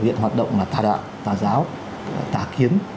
hiện hoạt động là tà đạo tà giáo tà kiến